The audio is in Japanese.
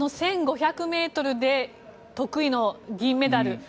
１５００ｍで得意の銀メダル。